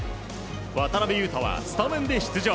渡邊雄太はスタメンで出場。